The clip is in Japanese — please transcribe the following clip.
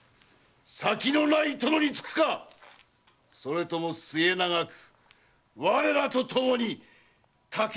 先のない殿につくか⁉それとも末永く我らとともに竹松君にお仕えするか！